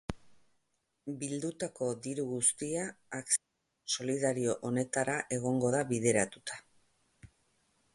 Bildutako diru guztia akzio solidario honetara egongo da bideratuta.